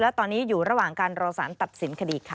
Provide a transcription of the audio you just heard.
และตอนนี้อยู่ระหว่างการรอสารตัดสินคดีค่ะ